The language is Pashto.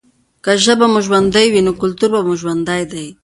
که ژبه مو ژوندۍ وي نو کلتور مو ژوندی دی.